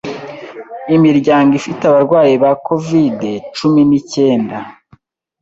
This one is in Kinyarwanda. Imiryango ifite abarwayi ba Covid-cumi ni cyenda